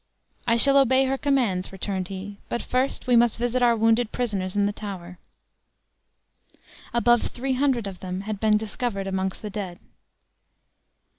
"I shall obey her commands," returned he; "but first we must visit our wounded prisoners in the tower." Above three hundred of them had been discovered amongst the dead.